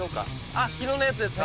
あっ昨日のやつですか？